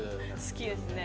好きですね。